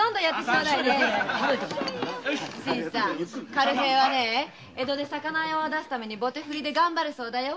軽平は魚屋をだすためにボテ振りで頑張るそうだよ。